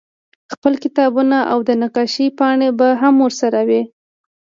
خپل کتابونه او د نقاشۍ پاڼې به هم ورسره وې